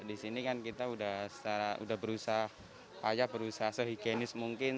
di sini kan kita sudah berusaha sehigienis mungkin